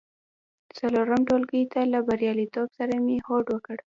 څلورم ټولګي ته له بریالیتوب سره مې هوډ وکړ.